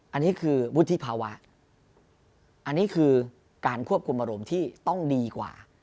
อันนี้คือวุฒิภาวะอันนี้คือการควบคุมอารมณ์ที่ต้องดีกว่า